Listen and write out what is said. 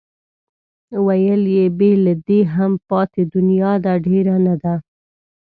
ویل یې بې له دې هم پاتې دنیا ده ډېره نه ده.